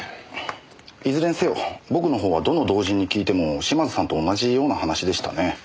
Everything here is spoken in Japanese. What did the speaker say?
いずれにせよ僕のほうはどの同人に聞いても島津さんと同じような話でしたね。